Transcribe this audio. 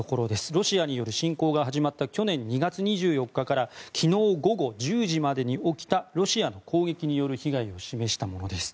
ロシアによる侵攻が始まった去年２月２４日から昨日午後１０時までに起きたロシアの攻撃による被害を示したものです。